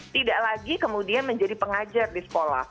tidak lagi kemudian menjadi pengajar di sekolah